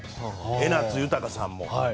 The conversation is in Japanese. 江夏豊さんも。